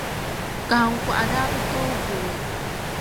Kahiŋkɔɣu daa bi tooi vooi,